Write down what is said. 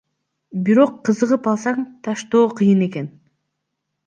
Бирок кызыгып алсаң таштоо кыйын экен.